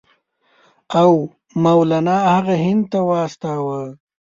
او مولنا هغه هند ته واستاوه.